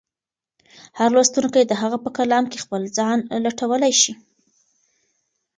هر لوستونکی د هغه په کلام کې خپل ځان لټولی شي.